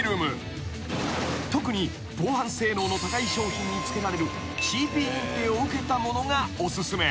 ［特に防犯性能の高い商品につけられるＣＰ認定を受けたものがお薦め］